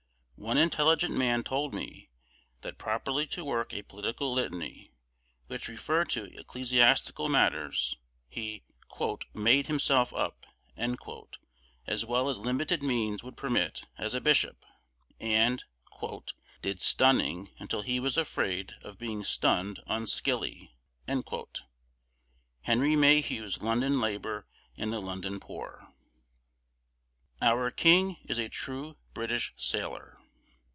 One intelligent man told me, that properly to work a political litany, which referred to ecclesiastical matters, he "made himself up," as well as limited means would permit, as a bishop! and "did stunning, until he was afraid of being stunned on skilly." Henry Mayhew's London Labour and the London Poor. OUR KING IS A TRUE BRITISH SAILOR.